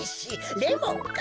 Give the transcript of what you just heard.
レモンか。